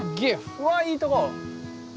うわいいとこ。